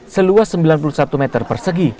seluas sembilan puluh satu meter persegi